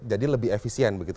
jadi lebih efisien begitu